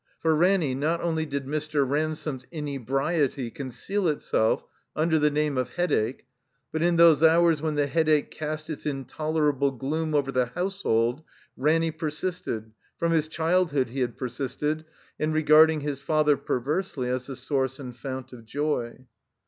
For Ranny, not only did Mr. Ran some's inebriety conceal itself tmder the name of Headache, but in those hours when the Headache cast its intolerable gloom over the household Ranny persisted — ^from his childhood he had persisted — in regarding his father, perversely, as the sotu"ce and foimt of joy.